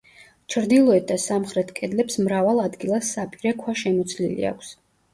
ჩრდილოეთ და სამხრეთ კედლებს მრავალ ადგილას საპირე ქვა შემოცლილი აქვს.